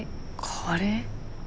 カレー？